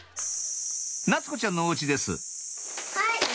夏子ちゃんのお家ですはい。